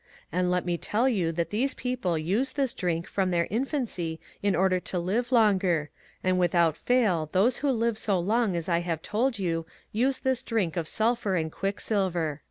And let me tell you that these people use this drink from their infancy in order to live longer, and without fail those who live so long as I have told you use this drink of sulphur and quicksilver."